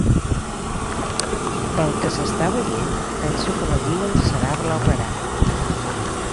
Pel que s'està veient, penso que la lliga serà blaugrana.